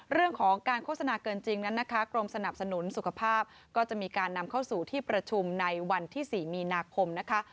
เรื่องของการโฆษณาเกินจริงนั้นนะคะกรมสนับสนุนสุขภาพก็จะมีการนำเข้าสู่ที่ประชุมในวันที่๔มีนาคมนะคะ